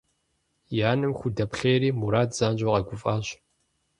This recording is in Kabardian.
И анэм худэплъейри, Мурат занщӏэу къэгуфӏащ.